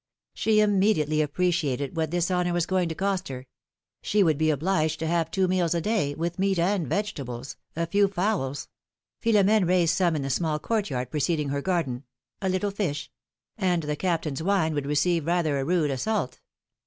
She immediately appreciated what this honor was going to cost her: she would be obliged to have two meals a day, with meat and vegetables, a few fowls — Philomene raised some in the small court yard preceding her garden — a little fish; and the Captain^s wine would receive rather a rude assault.